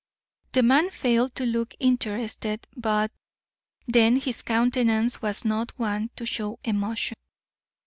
The man failed to look interested. But then his countenance was not one to show emotion.